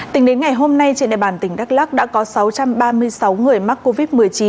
tính đến ngày hôm nay trên đại bàn tỉnh đắk lắc đã có sáu trăm ba mươi sáu người mắc covid một mươi chín